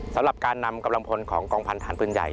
สำหรับการนำกำลังพลของกองพันธานปืนใหญ่